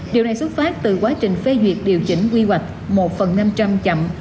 điều này xuất phát từ quá trình phê duyệt điều chỉnh quy hoạch một phần năm trăm linh chậm